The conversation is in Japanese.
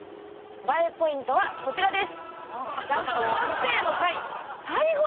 ＢＡＥポイントはこちらです！